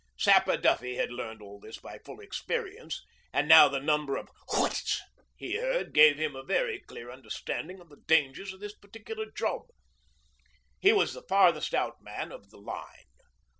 Sapper Duffy had learned all this by full experience, and now the number of 'whutts' he heard gave him a very clear understanding of the dangers of this particular job. He was the farthest out man of the line.